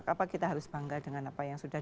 apa kita harus bangga dengan apa yang sudah